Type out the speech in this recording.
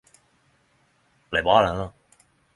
Blei bra denne.